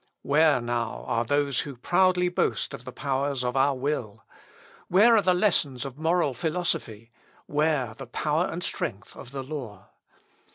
Where, now, are those who proudly boast of the powers of our will? where are the lessons of moral philosophy? where the power and strength of the law?